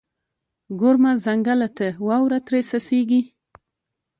ګورمه ځنګله ته، واوره ترې څڅیږي